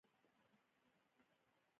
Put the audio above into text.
خو د مصري ودانیو داخلي فضا ډیره کوچنۍ وه.